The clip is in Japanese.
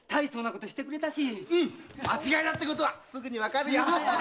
間違いだってことはすぐにわかるよ！